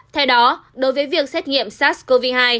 theo đó đối với việc xét nghiệm sars cov hai